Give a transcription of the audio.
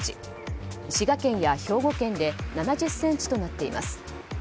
滋賀県や兵庫県で７０ｃｍとなっています。